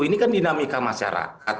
ini kan dinamika masyarakat